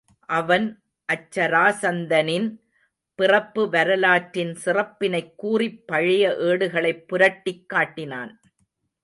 அவன் அச்சராசந்தனின் பிறப்பு வரலாற்றின் சிறப்பினைக் கூறிப் பழைய ஏடுகளைப் புரட்டிக் காட்டினான்.